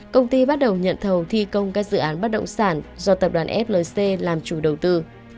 công ty bắt đầu nhận thầu thi công các dự án bất động sản do tập đoàn flc làm chủ đầu tư